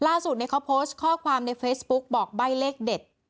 ล่าสุดเขาโพสต์ข้อความในเฟซบุ๊กบอกใบ้เลขเด็ด